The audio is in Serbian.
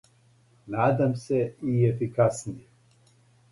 Надам се и ефикаснију.